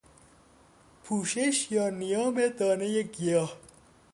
پوشش یا نیام دانهی گیاه